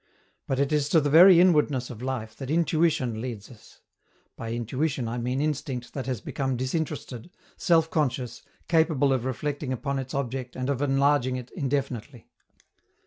But it is to the very inwardness of life that intuition leads us by intuition I mean instinct that has become disinterested, self conscious, capable of reflecting upon its object and of enlarging it indefinitely.